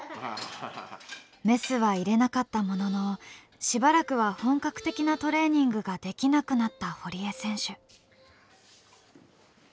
メスは入れなかったもののしばらくは本格的なトレーニングができなくなった堀江選手。